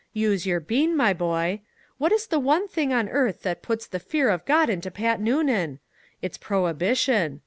Use your bean, my boy! What is the one thing on earth that puts the fear of God into Pat Noonan? It's prohibition.